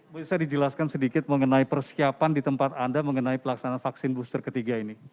bisa dijelaskan sedikit mengenai persiapan di tempat anda mengenai pelaksanaan vaksin booster ketiga ini